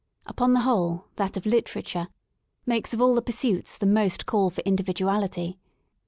Upon the whole thai of literature makes of all the pursuits the most call for individuality.